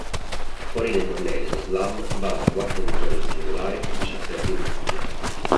Fuori dai tornei dello Slam vanta quattro vittorie in singolare e diciassette in doppio.